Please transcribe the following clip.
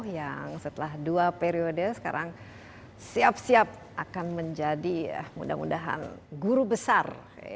yang setelah dua periode sekarang siap siap akan menjadi mudah mudahan guru besar